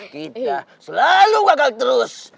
kita selalu gagal terus